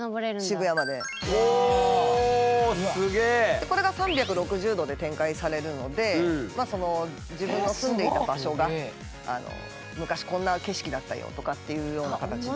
でこれが３６０度で展開されるので自分の住んでいた場所が昔こんな景色だったよとかっていうような形で。